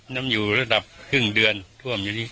น้ำอยู่ระดับครึ่งเดือนท่วมอยู่ที่